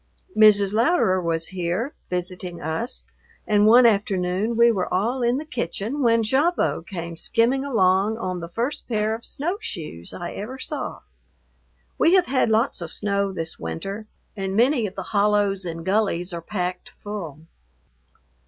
Mrs. Louderer was here visiting us, and one afternoon we were all in the kitchen when Gavotte came skimming along on the first pair of snowshoes I ever saw. We have had lots of snow this winter, and many of the hollows and gullies are packed full.